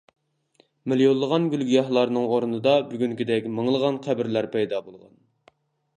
مىليونلىغان گۈل-گىياھلارنىڭ ئورنىدا بۈگۈنكىدەك مىڭلىغان قەبرىلەر پەيدا بولغان.